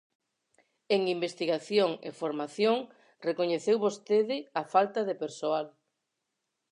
En investigación e formación recoñeceu vostede a falta de persoal.